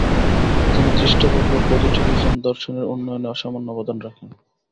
তিনি দৃষ্টবাদ বা পজিটিভিজম দর্শনের উন্নয়নে অসামান্য অবদান রাখেন।